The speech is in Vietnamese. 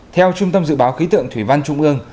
theo trung tâm dự báo khí tượng thủy văn trung ương